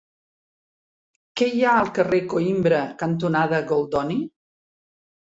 Què hi ha al carrer Coïmbra cantonada Goldoni?